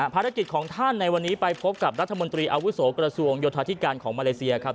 ภารกิจของท่านในวันนี้ไปพบกับรัฐมนตรีอาวุโสกระทรวงโยธาธิการของมาเลเซียครับ